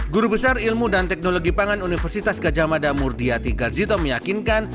guru besar ilmu dan teknologi pangan universitas gajah mada murdia tiga jito meyakinkan